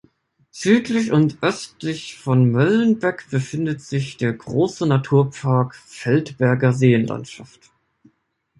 Südlich und östlich von Möllenbeck befindet sich der große Naturpark Feldberger Seenlandschaft.